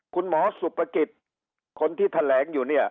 คุณหมอสุปกิจคนที่แถลงอยู่เนี่ย